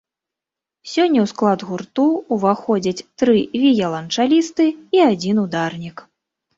Сёння ў склад гурту ўваходзяць тры віяланчалісты і адзін ударнік.